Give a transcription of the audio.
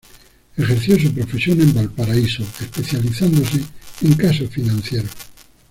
Ejerció su profesión en Valparaíso, especializándose en casos financieros.